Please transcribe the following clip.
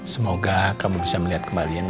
semoga kamu bisa melihat kembali eno